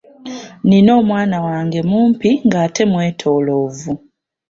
Nina omwana wange mumpi ng’ate mwetooloovu.